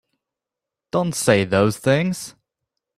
Don't say those things!